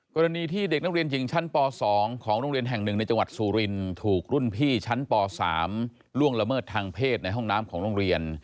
กรณีที่เด็กนักเรียนหญิงชั้นป๒ของโรงเรียนแห่งหนึ่งในจังหวัดสุรินถูกรุ่นพี่ชั้นป๓ล่วงละเมิดทางเพศในห้องน้ำของโรงเรียน